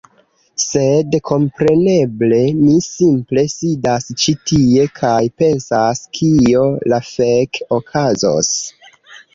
Sed, kompreneble, mi simple sidas ĉi tie kaj pensas kio la fek okazos?